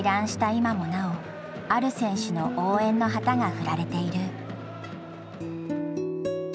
今もなおある選手の応援の旗が振られている。